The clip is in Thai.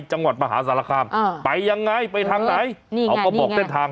จังหวัดมหาสารคามอ่าไปยังไงไปทางไหนนี่เขาก็บอกเส้นทาง